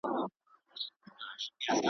چي یې تښتي له هیبته لور په لور توري لښکري.